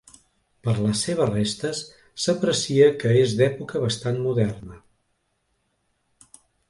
Per les seves restes s'aprecia que és d'època bastant moderna.